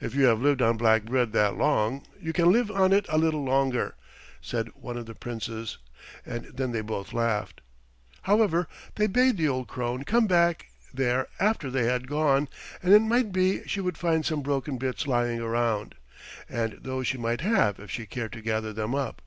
"If you have lived on black bread that long you can live on it a little longer," said one of the Princes, and then they both laughed. However, they bade the old crone come back there after they had gone, and it might be she would find some broken bits lying round, and those she might have if she cared to gather them up.